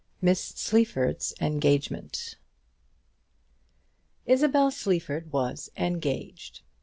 MISS SLEAFORD'S ENGAGEMENT. Isabel Sleaford was "engaged."